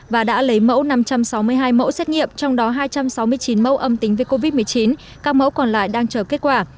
và đã lấy mẫu năm trăm sáu mươi hai mẫu xét nghiệm trong đó hai trăm sáu mươi chín mẫu âm tính với covid một mươi chín các mẫu còn lại đang chờ kết quả